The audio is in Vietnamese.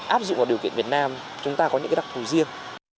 áp dụng vào điều kiện việt nam chúng ta có những đặc thù riêng